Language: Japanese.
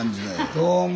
どうも。